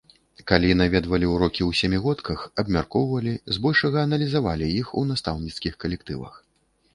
Калі наведвалі ўрокі ў сямігодках, абмяркоўвалі, збольшага аналізавалі іх у настаўніцкіх калектывах.